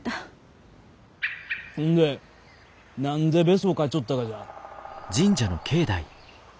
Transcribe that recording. ほんで何でベソかいちょったがじゃ？